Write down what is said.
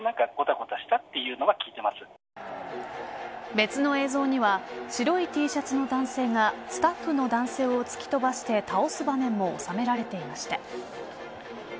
別の映像には白いＴシャツの男性がスタッフの男性を突き飛ばして倒す場面も収められていました。